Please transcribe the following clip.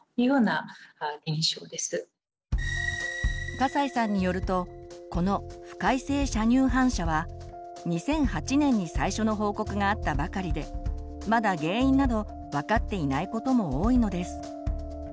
笠井さんによるとこの「不快性射乳反射」は２００８年に最初の報告があったばかりでまだ原因など分かっていないことも多いのです。